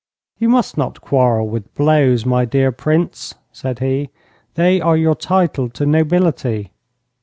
'You must not quarrel with blows, my dear Prince,' said he; 'they are your title to nobility.'